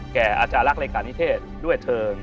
แก่อาจารักษ์รายการนิเทศด้วยเถิง